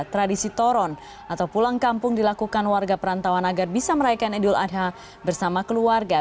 tradisi toron atau pulang kampung dilakukan warga perantauan agar bisa merayakan idul adha bersama keluarga